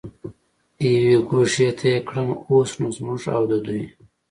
یوې ګوښې ته یې کړ، اوس نو زموږ او د دوی.